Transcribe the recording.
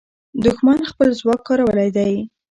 دښمن خپل ځواک کارولی دی.